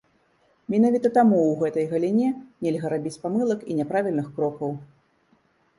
Менавіта таму ў гэтай галіне нельга рабіць памылак і няправільных крокаў.